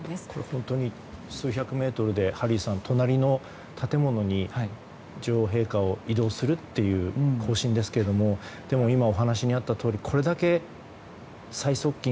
本当に数百メートルでハリーさん、隣の建物に女王陛下を移動するという行進ですけどでも今お話にあったとおりこれだけ最側近